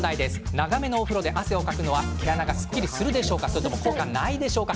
長めのお風呂で汗をかくのは毛穴もすっきりするでしょうかしないでしょうか